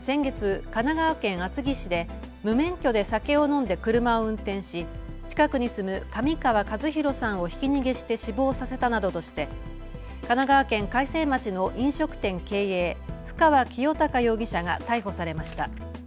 先月、神奈川県厚木市で無免許で酒を飲んで車を運転し近くに住む上川一弘さんをひき逃げして死亡させたなどとして神奈川県開成町の飲食店経営、府川清孝容疑者が逮捕されました。